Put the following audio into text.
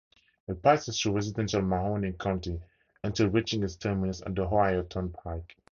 It passes through residential Mahoning County until reaching its terminus at the Ohio Turnpike.